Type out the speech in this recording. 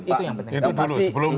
itu yang penting itu dulu sebelum